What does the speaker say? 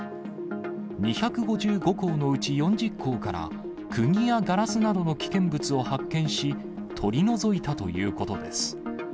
２５５校のうち４０校から、くぎやガラスなどの危険物を発見し、取り除いたということです。